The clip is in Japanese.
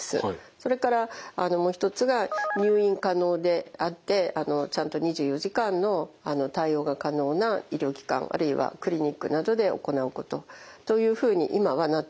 それからもう一つが入院可能であってちゃんと２４時間の対応が可能な医療機関あるいはクリニックなどで行うことというふうに今はなっています。